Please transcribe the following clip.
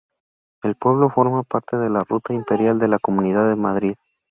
El pueblo forma parte de la Ruta Imperial de la Comunidad de Madrid.